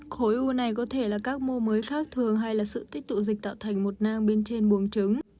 khối u này có thể là các mô mới khác thường hay là sự tích tụ dịch tạo thành một nang bên trên buồng trứng